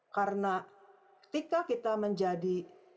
karena ketika kita menjadi